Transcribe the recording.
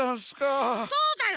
そうだよ